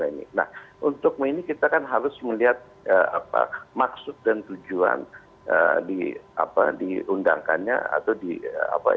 nah untuk ini kita harus melihat maksud dan tujuan diundangkannya pasal tiga ratus empat puluh